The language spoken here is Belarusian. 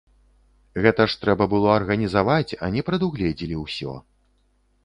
Гэта ж трэба было арганізаваць, а не прадугледзелі ўсё.